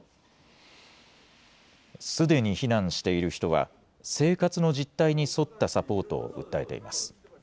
すでに避難している人は、生活の実態に沿ったサポートを訴えています。